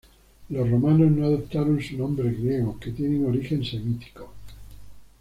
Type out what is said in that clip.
Los romanos no adoptaron sus nombres griegos, que tienen origen semítico.